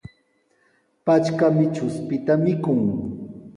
Patrkami chuspita mikun.